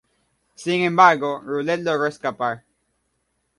Sin embargo, Roulette logró escapar.